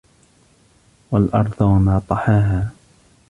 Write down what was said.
والأرض وما طحاها